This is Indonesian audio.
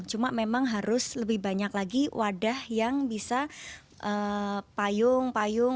cuma memang harus lebih banyak lagi wadah yang bisa payung payung